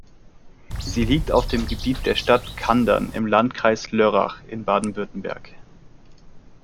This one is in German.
Sie liegt auf dem Gebiet der Stadt Kandern im Landkreis Lörrach in Baden-Württemberg.